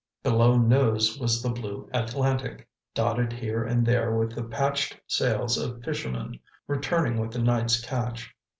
Below now was the blue Atlantic, dotted here and there with the patched sails of fishermen, returning with the night's catch.